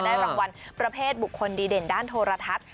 รางวัลประเภทบุคคลดีเด่นด้านโทรทัศน์